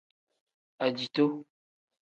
Ajihoo.